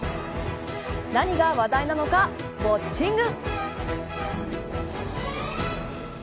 何が話題なのかウオッチング。